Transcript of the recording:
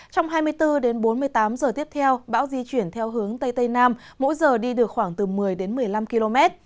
trong hai mươi bốn đến bốn mươi tám giờ tiếp theo bão di chuyển theo hướng tây tây nam mỗi giờ đi được khoảng từ một mươi đến một mươi năm km